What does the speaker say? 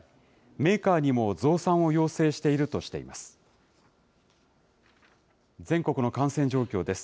メーカーにも増産を要請しているとしています。